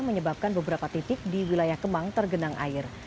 menyebabkan beberapa titik di wilayah kemang tergenang air